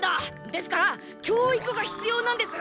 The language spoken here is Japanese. ですから教育が必要なんです！